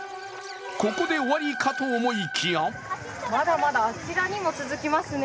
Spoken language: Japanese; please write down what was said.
ここで終わりかと思いきやまだまだ、あちらにも続きますね